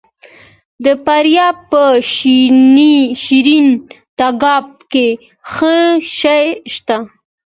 د فاریاب په شیرین تګاب کې څه شی شته؟